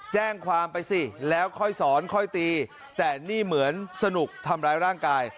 แจ้งความไปสิแล้วค่อยสอนค่อยตีแต่นี่เหมือนสนุกทำร้ายร่างกาย